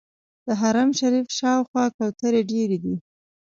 د حرم شریف شاوخوا کوترې ډېرې دي.